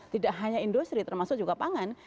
tidak hanya industri termasuk juga pangan